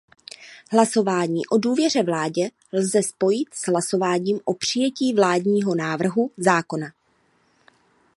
Hlasování o důvěře vládě lze spojit s hlasováním o přijetí vládního návrhu zákona.